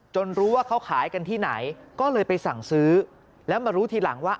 รู้ว่าเขาขายกันที่ไหนก็เลยไปสั่งซื้อแล้วมารู้ทีหลังว่า